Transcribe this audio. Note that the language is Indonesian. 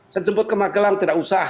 saya jemput ke magelang tidak usah